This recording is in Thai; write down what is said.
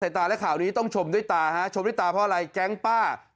ใส่ตาและข่าวนี้ต้องชมด้วยตาชมด้วยตาเพราะอะไร